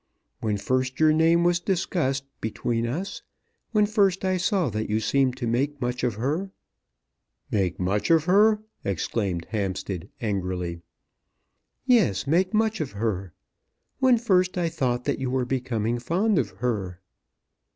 When first your name was discussed between us; when first I saw that you seemed to make much of her " "Make much of her!" exclaimed Hampstead, angrily. "Yes; make much of her! When first I thought that you were becoming fond of her."